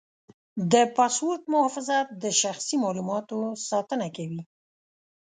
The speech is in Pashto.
د پاسورډ محافظت د شخصي معلوماتو ساتنه کوي.